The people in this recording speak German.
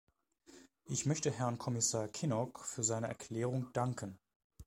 Ich möchte Herrn Kommissar Kinnock für seine Erklärung danken.